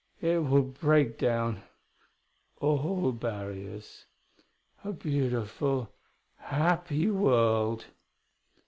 It will break down all barriers.... A beautiful, happy world...."